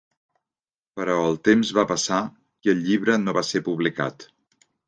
Però el temps va passar i el llibre no va ser publicat.